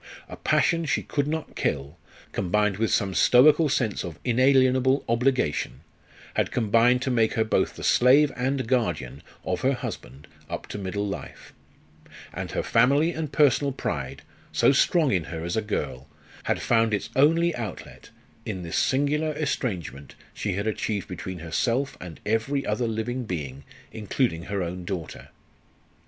A passion she could not kill, combined with some stoical sense of inalienable obligation, had combined to make her both the slave and guardian of her husband up to middle life; and her family and personal pride, so strong in her as a girl, had found its only outlet in this singular estrangement she had achieved between herself and every other living being, including her own daughter.